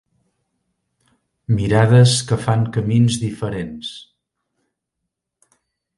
Mirades que fan camins diferents.